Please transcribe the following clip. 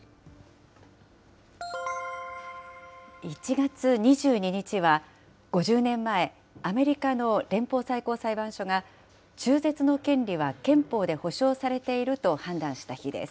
１月２２日は、５０年前、アメリカの連邦最高裁判所が、中絶の権利は憲法で保障されていると判断した日です。